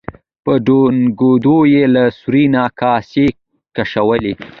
په ډونګیدو یې له سوري نه کاسې کشولې.